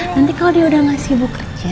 nanti kalau dia udah gak sibuk kerja